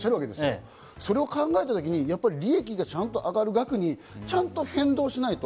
それを考えたときに利益がちゃんと上がる額にちゃんと変動しないと。